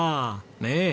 ねえ。